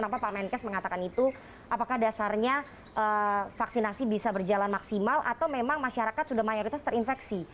apakah dasarnya vaksinasi bisa berjalan maksimal atau memang masyarakat sudah mayoritas terinfeksi